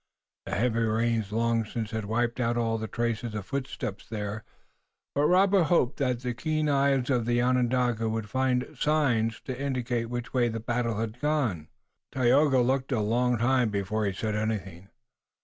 The heavy rains long since had wiped out all traces of footsteps there, but Robert hoped that the keen eyes of the Onondaga would find other signs to indicate which way the battle had gone. Tayoga looked a long time before he said anything.